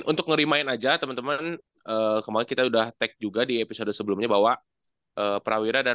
untuk ngerimain aja teman teman kemarin kita udah take juga di episode sebelumnya bahwa prawira dan